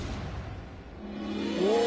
お！